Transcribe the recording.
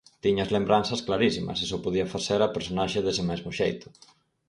Tiña as lembranzas clarísimas e só podía facer a personaxe dese mesmo xeito.